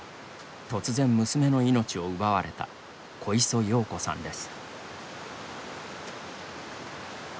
突然、娘の命を奪われた小磯洋子さんです。